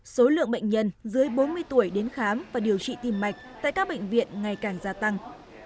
số lượng bệnh nhân dưới bốn mươi tuổi đến khám và điều trị tim mạch tại các bệnh viện ngày càng gia tăng